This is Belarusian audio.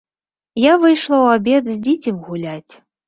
Я выйшла ў абед з дзіцем гуляць.